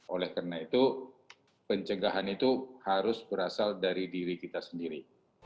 oleh karena itu pencegahan itu harus berasal dari diri kita sendiri